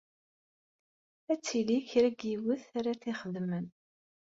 Ad tili kra n yiwet ara t-ixedmen.